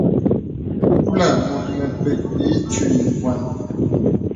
Kulə̀ mùt mèpèk ì itwi bwàn.